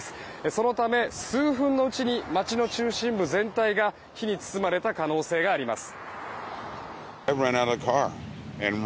そのため数分のうちに街の中心部全体が火に包まれた可能性があります。